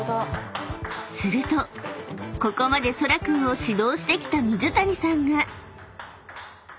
［するとここまでそら君を指導してきた水谷さんが］